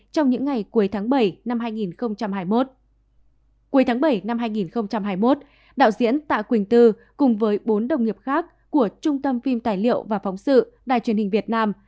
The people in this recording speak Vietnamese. cuối tháng bảy năm hai nghìn hai mươi một đạo diễn tạ quỳnh tư cùng với bốn đồng nghiệp khác của trung tâm phim tài liệu và phóng sự đài truyền hình việt nam